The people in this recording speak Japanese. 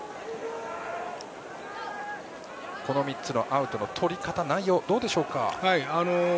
この３つのアウトのとり方内容はどうでしょうか？